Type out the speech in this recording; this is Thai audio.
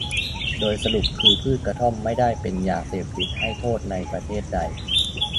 โดยสรุปคือพืชกระท่อม ไม่ได้เป็นยาเสพติดให้โทษในประเทศใด